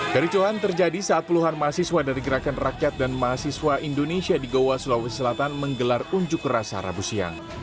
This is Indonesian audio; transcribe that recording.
kericuhan terjadi saat puluhan mahasiswa dari gerakan rakyat dan mahasiswa indonesia di goa sulawesi selatan menggelar unjuk rasa rabu siang